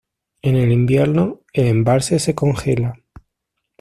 En el invierno, el embalse se congela.